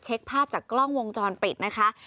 เช็คภาพจากกล้องวงจรปิดนะคะ